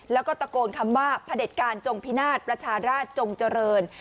แล้วก็ตะโกนคำว่าพระเด็จการจงพินาศประชาราชจงเจริญ